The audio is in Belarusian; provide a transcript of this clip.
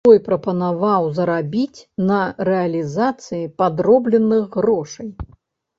Той прапанаваў зарабіць на рэалізацыі падробленых грошай.